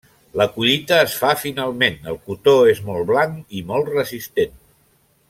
La collita es fa finalment, el cotó és molt blanc i molt resistent.